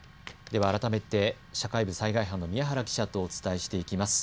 では改めて社会部災害班の宮原記者とお伝えしていきます。